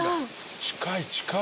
近い近い。